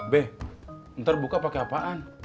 be ntar buka pake apaan